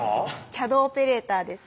ＣＡＤオペレーターです